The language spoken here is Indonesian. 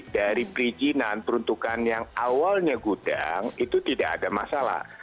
dari perizinan peruntukan yang awalnya gudang itu tidak ada masalah